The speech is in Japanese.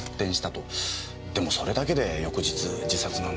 でもそれだけで翌日自殺なんて。